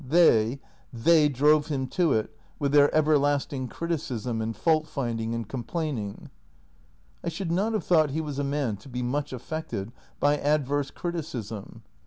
They — they drove him to it with their everlasting criticism and fault finding and com plaining." " I should not have thought he was a man to be much affected by adverse criticism."